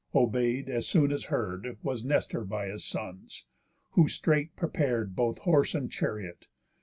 Obey'd, as soon as heard, Was Nestor by his sons, who straight prepar'd Both horse and chariot.